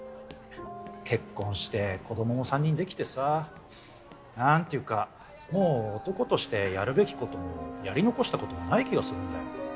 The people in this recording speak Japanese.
結婚して子供も３人できてさ何ていうかもう男としてやるべきこともやり残したこともない気がするんだよ。